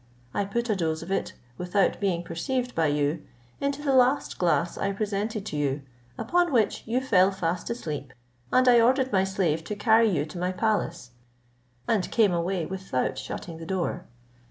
I put a dose of it, without being perceived by you, into the last glass I presented to you, upon which you fell fast asleep, and I ordered my slave to carry you to my palace, and came away without shutting the door.